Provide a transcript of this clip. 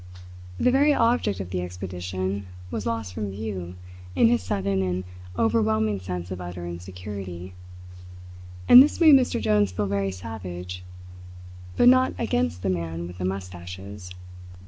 The very object of the expedition was lost from view in his sudden and overwhelming sense of utter insecurity. And this made Mr. Jones feel very savage; but not against the man with the moustaches.